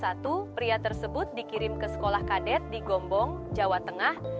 pada tahun seribu sembilan ratus empat puluh satu pria tersebut dikirim ke sekolah kadet di gombong jawa tengah